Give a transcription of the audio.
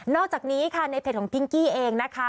อกจากนี้ค่ะในเพจของพิงกี้เองนะคะ